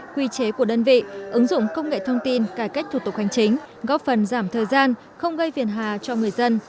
quy chế của đơn vị ứng dụng công nghệ thông tin cải cách thủ tục hành chính góp phần giảm thời gian không gây viền hà cho người dân